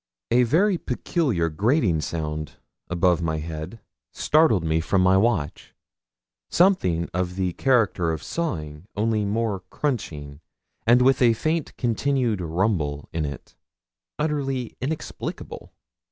A very peculiar grating sound above my head startled me from my watch something of the character of sawing, only more crunching, and with a faint continued rumble in it utterly inexplicable.